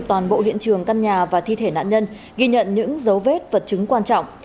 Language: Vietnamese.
toàn bộ hiện trường căn nhà và thi thể nạn nhân ghi nhận những dấu vết vật chứng quan trọng